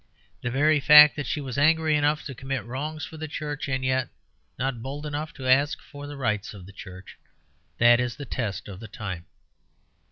The very fact that she was angry enough to commit wrongs for the Church, and yet not bold enough to ask for the rights of the Church that is the test of the time.